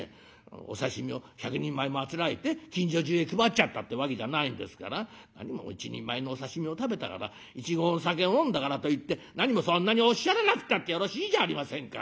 お刺身を１００人前もあつらえて近所中へ配っちゃったってわけじゃないんですから何も一人前のお刺身を食べたから１合のお酒を飲んだからといって何もそんなにおっしゃらなくたってよろしいじゃありませんか」。